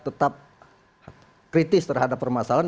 tetap kritis terhadap permasalahan